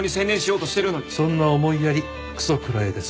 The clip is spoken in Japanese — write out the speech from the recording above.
そんな思いやりクソ食らえです。